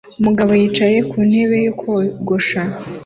Umugabo yicaye ku ntebe yo kogosha